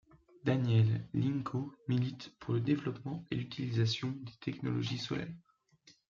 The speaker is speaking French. Daniel Lincot milite pour le développement et l'utilisation des technologies solaires.